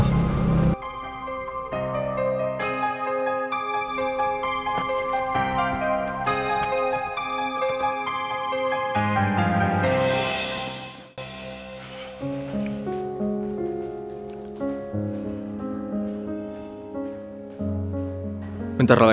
sampai jumpa di video selanjutnya